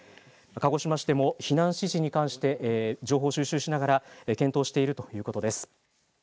鹿児島市でも避難指示に関して情報を収集しながら検討しているということです。